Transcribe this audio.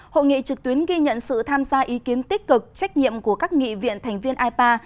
hội nghị trực tuyến ghi nhận sự tham gia ý kiến tích cực trách nhiệm của các nghị viện thành viên ipa